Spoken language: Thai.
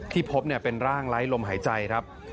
พบเป็นร่างไร้ลมหายใจครับ